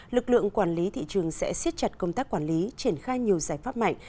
lực lượng quản lý thị trường sẽ siết chặt công tác quản lý triển khai nhiều giải pháp mạnh